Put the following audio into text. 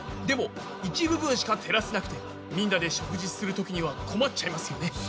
でも一部分しか照らせなくてみんなで食事するときには困っちゃいますよね。